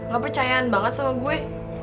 gak percayaan banget sama gue